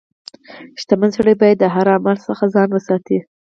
• شتمن سړی باید د حرام مال څخه ځان وساتي.